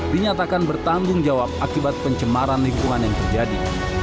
dinyatakan bertanggung jawab akibat pencemaran lingkungan yang terjadi